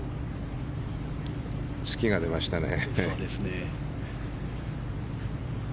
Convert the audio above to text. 月が出ましたね。